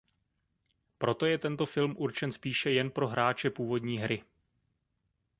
Proto je tento film určen spíše jen pro hráče původní hry.